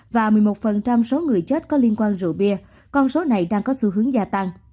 và một mươi một số người chết có liên quan rượu bia con số này đang có xu hướng gia tăng